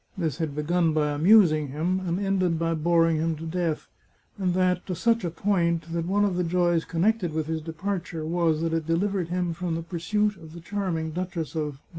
This had begun by amusing him, and ended by boring him to death; and that to such a point that one of the joys connected with his departure was that it delivered him from the pursuit of the charming Duchess of